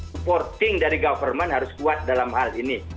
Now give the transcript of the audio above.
supporting dari government harus kuat dalam hal ini